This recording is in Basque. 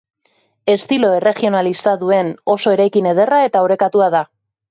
Estilo erregionalista duen oso eraikin ederra eta orekatua da.